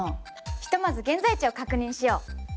ひとまず現在地を確認しよう。